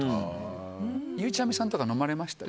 ゆうちゃみさんは飲まれました？